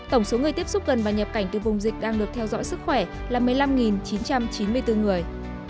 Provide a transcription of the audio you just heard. tổng số người tiếp xúc gần và nhập cảnh từ vùng dịch đang được theo dõi sức khỏe là một mươi năm chín trăm chín mươi bốn người